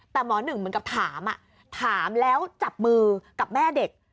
แต่หมอหนึ่งเหมือนกับถามถามแล้วจับมือกับแม่เด็ก